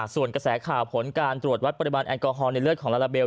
ส่วนกระแสข่าวผลการตรวจวัดปริมาณแอลกอฮอลในเลือดของลาลาเบล